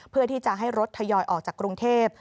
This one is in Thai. เพื่อที่จะให้รถทยอยออกจากกรุงเทพ